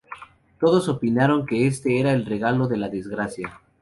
Todos opinaron que este era el regalo de la desgracia.